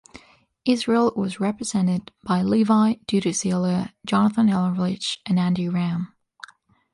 Israel was represented by Levy, Dudi Sela, Jonathan Erlich, and Andy Ram.